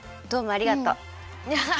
どうもありがとう。